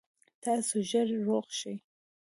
تاسو ژر روغ شئ